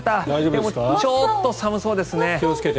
でもちょっと寒そうですね。